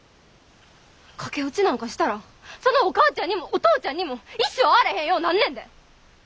駆け落ちなんかしたらそのお母ちゃんにもお父ちゃんにも一生会われへんようなんねんで。